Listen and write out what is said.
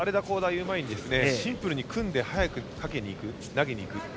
言う前にシンプルに組んで速くかけに行く、投げに行く。